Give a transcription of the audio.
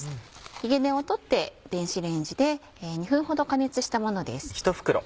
ひげ根を取って電子レンジで２分ほど加熱したものです。